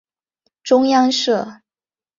中央社